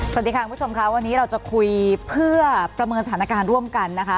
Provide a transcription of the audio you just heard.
สวัสดีค่ะคุณผู้ชมค่ะวันนี้เราจะคุยเพื่อประเมินสถานการณ์ร่วมกันนะคะ